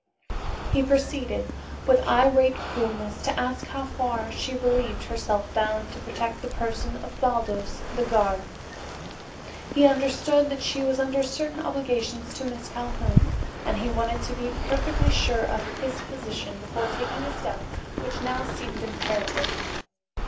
He proceeded, with irate coolness, to ask how far she believed herself bound to protect the person of Baldos, the guard. He understood that she was under certain obligations to Miss Calhoun and he wanted to be perfectly sure of his position before taking a step which now seemed imperative.